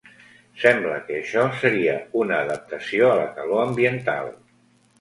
Sembla que això seria una adaptació a la calor ambiental.